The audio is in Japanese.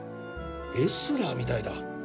レスラーみたいだ